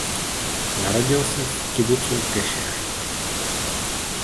Narodil se v kibucu Gešer.